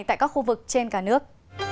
tại các khu vực trên cả nước